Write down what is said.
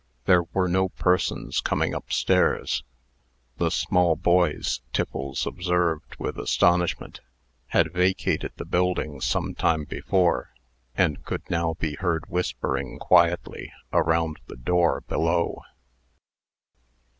There were no persons coming up stairs. The small boys, Tiffles observed with astonishment, had vacated the building some time before, and could now be heard whispering quietly around the door below.